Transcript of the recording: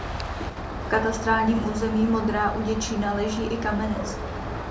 V katastrálním území Modrá u Děčína leží i Kamenec.